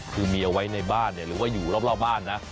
คือมีเอาไว้ในบ้านหรือว่าอยู่รอบบ้านนะ